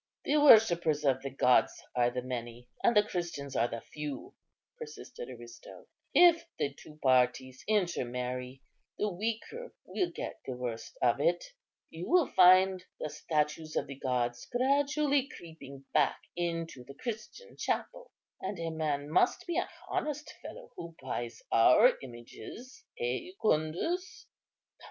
"The worshippers of the gods are the many, and the Christians are the few," persisted Aristo; "if the two parties intermarry, the weaker will get the worst of it. You will find the statues of the gods gradually creeping back into the Christian chapel; and a man must be an honest fellow who buys our images, eh, Jucundus?"